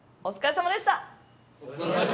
お疲れさまでした！